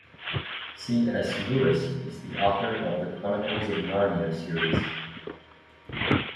C.S. Lewis is the author of The Chronicles of Narnia series.